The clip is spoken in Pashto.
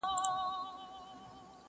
o په ټول بابړ يو لوړ!